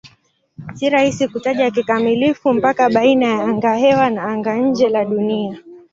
Si rahisi kutaja kikamilifu mpaka baina ya angahewa na anga-nje la Dunia.